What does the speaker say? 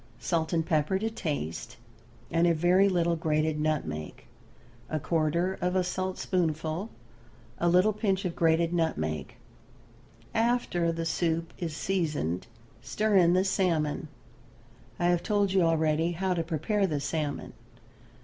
Salt and pepper to taste, and a very little grated nutmeg; a quarter of a saltspoonful, a little pinch of grated nutmeg. After the soup is seasoned stir in the salmon. I have told you already how to prepare the salmon.